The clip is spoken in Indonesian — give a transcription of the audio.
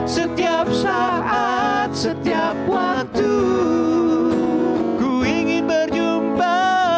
setiap saat setiap waktu ku ingin berjumpa